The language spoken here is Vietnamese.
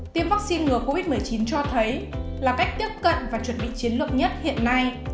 tiêm vaccine ngừa covid một mươi chín cho thấy là cách tiếp cận và chuẩn bị chiến lược nhất hiện nay